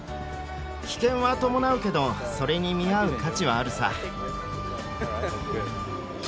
危険は伴うけどそれに見合う価値はあるさ。と